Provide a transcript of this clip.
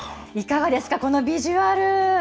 いかがですか、このビジュアル。